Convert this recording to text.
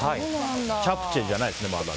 チャプチェじゃないですねまだ。